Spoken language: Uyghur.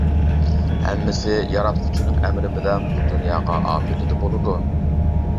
ھەممىسى ياراتقۇچىنىڭ ئەمرى بىلەن بۇ دۇنياغا ئاپىرىدە بولىدۇ.